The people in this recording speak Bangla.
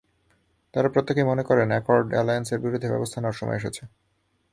তাঁদের প্রত্যেকেই মনে করেন, অ্যাকর্ড অ্যালায়েন্সের বিরুদ্ধে ব্যবস্থা নেওয়ার সময় এসেছে।